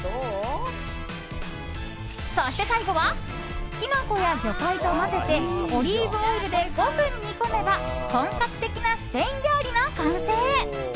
そして最後はキノコや魚介と混ぜてオリーブオイルで５分煮込めば本格的なスペイン料理の完成。